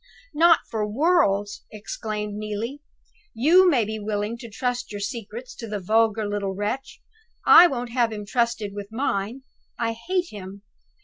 "Not for worlds!" exclaimed Neelie. "You may be willing to trust your secrets to the vulgar little wretch; I won't have him trusted with mine. I hate him.